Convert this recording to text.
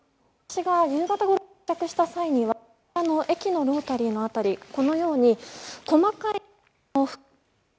私が夕方に到着した際には駅のロータリーの辺りこのように細かい。